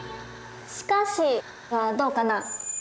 「しかし」はどうかな。